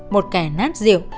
một kẻ nát diệu